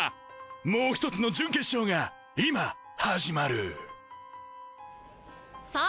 もう１つの準決勝が今始まるぅううう！